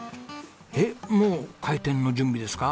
えっもう開店の準備ですか？